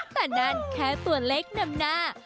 แต่นั่นแค่ตัวเลขนำหน้า